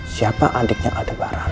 siapa adiknya ada barang